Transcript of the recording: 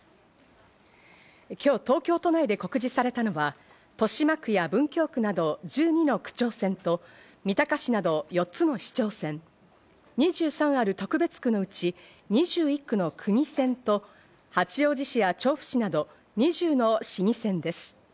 今日、東京都内で告示されたのは豊島区や文京区など１２の区長選と三鷹市など４つの市長選、２３ある特別区のうち２１区の区議選と八王子市や調布市など２０の市議選です。